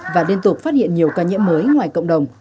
và liên tục phát hiện nhiều ca nhiễm mới ngoài cộng đồng